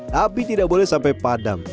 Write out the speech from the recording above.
tapi tidak boleh sampai padam